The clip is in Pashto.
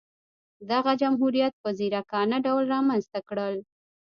دغه جمهوریت په ځیرکانه ډول رامنځته کړل.